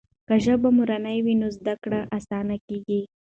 که ژبه مورنۍ وي نو زده کړه اسانه کېږي.